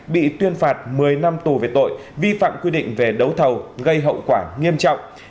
bị tuyên phạt một mươi năm tù về tội vi phạm quy định về đấu thầu gây hậu quả nghiêm trọng